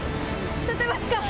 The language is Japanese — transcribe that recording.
立てますか？